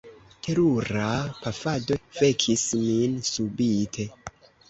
Terura pafado vekis min subite.